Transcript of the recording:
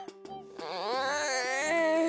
うん。